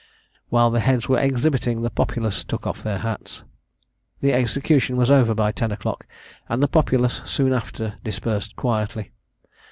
While the heads were exhibiting, the populace took off their hats. The execution was over by ten o'clock, and the populace soon after dispersed quietly.